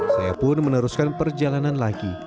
saya pun meneruskan perjalanan lagi